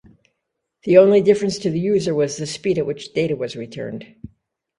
The only difference to the user was the speed at which data was returned.